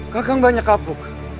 kekang banyak kabuk